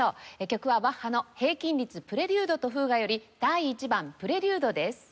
曲はバッハの平均律「プレリュードとフーガ」より第１番『プレリュード』です。